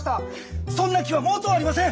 そんな気は毛頭ありません！